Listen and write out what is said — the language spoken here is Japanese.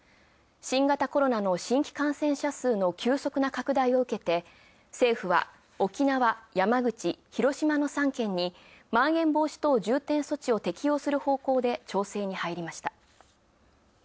新型コロナの新規感染者数の急速な拡大を受けて、政府は、沖縄、山口、広島の３県にまん延防止等重点措置を適用する方向で調整に入りました。